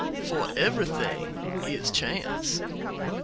For everything is chance.